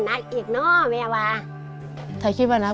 เจอก็แค่แกจะรักษาเจอยังได้